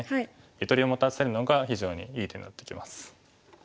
ゆとりを持たせるのが非常にいい手になってきます。